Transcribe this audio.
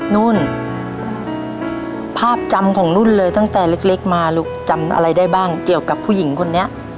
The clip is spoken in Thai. นุ่นภาพจำของนุ่นเลยตั้งแต่เล็กมาลูกจำอะไรได้บ้างเกี่ยวกับผู้หญิงคนนี้